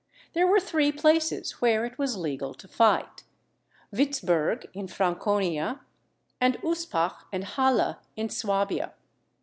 There were three places where it was legal to fight; Witzburg in Franconia, and Uspach and Halle in Swabia.